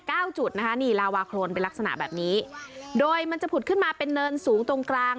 จุดนะคะนี่ลาวาโครนเป็นลักษณะแบบนี้โดยมันจะผุดขึ้นมาเป็นเนินสูงตรงกลาง